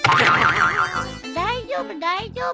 大丈夫大丈夫。